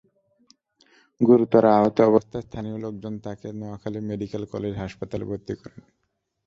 গুরুতর আহত অবস্থায় স্থানীয় লোকজন তাঁকে নোয়াখালী মেডিকেল কলেজ হাসপাতালে ভর্তি করেন।